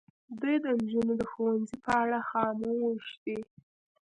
دوی د نجونو د ښوونځي په اړه خاموش دي.